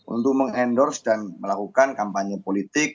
untuk mengendorse dan melakukan kampanye politik